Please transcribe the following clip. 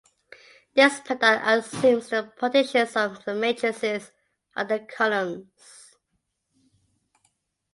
This product assumes the partitions of the matrices are their columns.